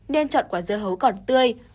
nên chọn quả dơ hấu còn tương